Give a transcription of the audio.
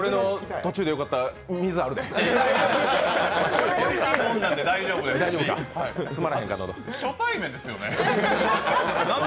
途中でよかったら、俺の水あるで。